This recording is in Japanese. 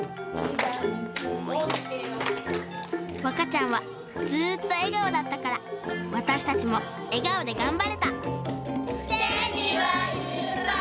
わかちゃんはずっと笑顔だったから私たちも笑顔で頑張れた！